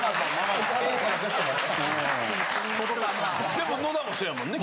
でも野田もそうやもんね。